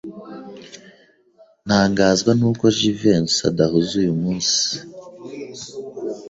Ntangazwa nuko Jivency adahuze uyu munsi.